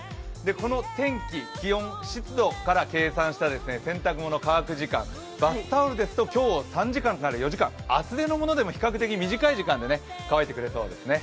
この天気、気温、湿度から計算した洗濯物乾く時間、バスタオルですと今日３時間から４時間、厚手のものでも比較的短い時間で乾いてくれそうですね。